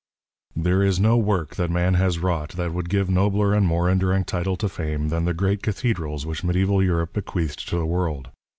There is no work that man has wrought that would give nobler and more enduring title to fame than the great cathedrals which mediaeval Europe bequeathed to the world.